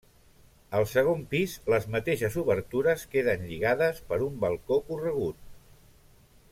Al segon pis les mateixes obertures queden lligades per un balcó corregut.